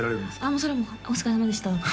それはもう「お疲れさまでした」